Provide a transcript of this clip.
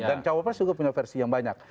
dan capres juga punya versi yang banyak